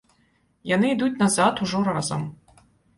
Яны ідуць назад ужо разам.